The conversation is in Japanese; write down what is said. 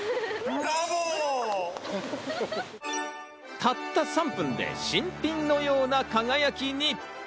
たった３分で、新品のような輝きに。